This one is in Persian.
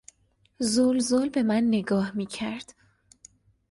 زل زل به من نگاه میکرد.